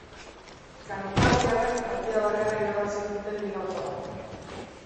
Kantabriarrek partida bakarra irabazi dute liga osoan.